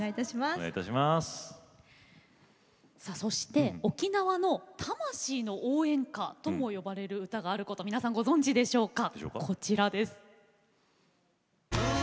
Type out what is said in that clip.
そして、沖縄の魂の応援歌とも呼ばれる歌があることご存じでしょうか。